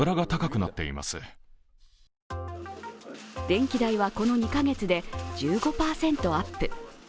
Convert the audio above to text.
電気代はこの２カ月で１５％アップ。